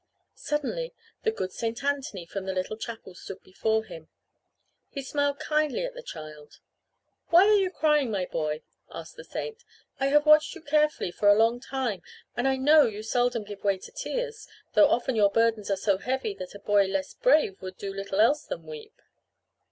Suddenly the good saint Anthony from the little chapel stood before him. He smiled kindly at the child. "Why are you crying, my boy?" asked the saint. "I have watched you carefully for a long time and I know you seldom give way to tears, though often your burdens are so heavy that a boy less brave would do little else than weep."